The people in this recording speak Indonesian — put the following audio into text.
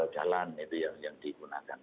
jalan itu yang digunakan